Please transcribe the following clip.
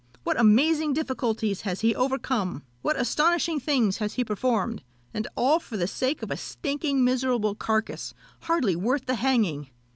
What amazing difficulties has he overcome! what astonishing things has he performed! and all for the sake of a stinking, miserable carcass, hardly worth the hanging!